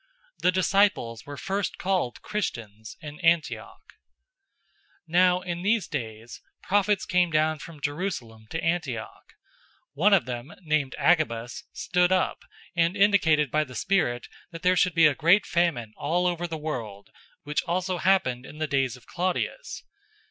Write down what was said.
The disciples were first called Christians in Antioch. 011:027 Now in these days, prophets came down from Jerusalem to Antioch. 011:028 One of them named Agabus stood up, and indicated by the Spirit that there should be a great famine all over the world, which also happened in the days of Claudius.